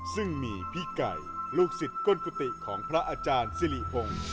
ซึ่งมีพี่ไก่ลูกศิษย์ก้นกุฏิของพระอาจารย์สิริพงศ์